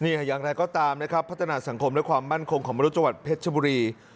อย่างไรก็ตามนะครับพัฒนาสังคมและความมั่นคงของมนุษย์จังหวัดเพชรชบุรี